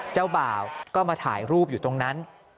เจ้าบ่าวก็มาถ่ายรูปอยู่ตรงนั้น